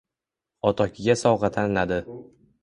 Otokiga sovg`a tanladi